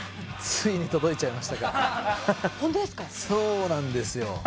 そうなんですよ。